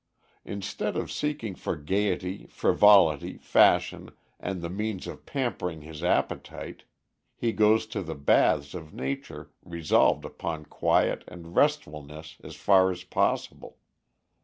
Instead of seeking for gaiety, frivolity, fashion, and the means of pampering his appetite, he goes to the baths of nature resolved upon quiet and restfulness as far as possible.